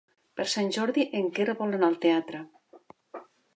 Per Sant Jordi en Quer vol anar al teatre.